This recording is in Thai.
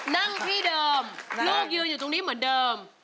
นั่งที่เดิมลูกยืนอยู่ตรงนี้เหมือนเดิม